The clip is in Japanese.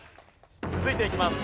続いていきます。